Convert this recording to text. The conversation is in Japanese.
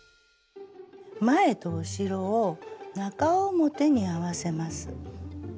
前と後ろを中表に合わせます。